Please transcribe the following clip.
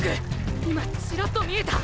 今チラッと見えた！！